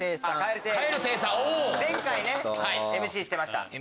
前回ねＭＣしてました。